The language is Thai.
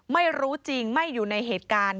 ไม่รู้จริงไม่อยู่ในเหตุการณ์